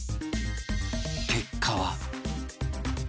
結果は